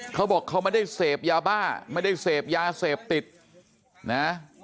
เขาบอกเขาไม่ได้เสพยาบ้าไม่ได้เสพยาเสพติดนะ